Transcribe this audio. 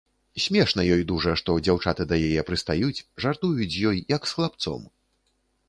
Смешна ёй дужа, што дзяўчаты да яе прыстаюць, жартуюць з ёй, як з хлапцом.